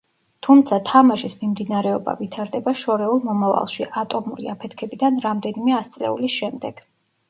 თუმცა თამაშის მიმდინარეობა ვითარდება შორეულ მომავალში, ატომური აფეთქებიდან რამდენიმე ასწლეულის შემდეგ.